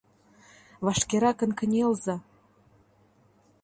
Вашкеракын кынелза!